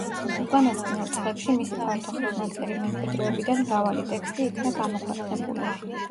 უკანასკნელ წლებში მისი ფართო ხელნაწერი მემკვიდრეობიდან მრავალი ტექსტი იქნა გამოქვეყნებული.